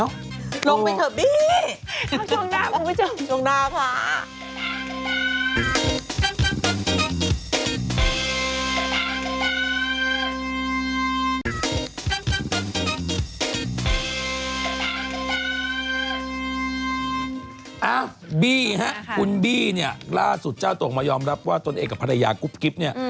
อะบีอีกฮะคุณบีเนี่ยล่าสุดเจ้าตกมายอมรับว่าต้นเอกกับภรรยากรุ๊ปกริ๊บเนี่ย